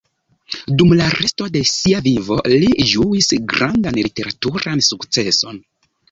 Dum la resto de sia vivo li ĝuis grandan literaturan sukceson.